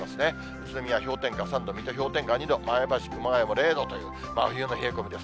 宇都宮氷点下３度、水戸氷点下２度、前橋、熊谷も０度という真冬の冷え込みです。